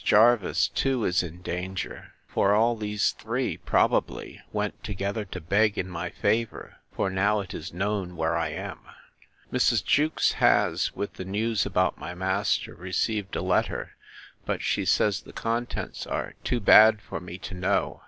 Jervis too is in danger; for all these three, probably, went together to beg in my favour; for now it is known where I am. Mrs. Jewkes has, with the news about my master, received a letter: but she says the contents are too bad for me to know.